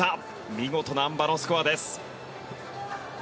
見事なあん馬のスコアです。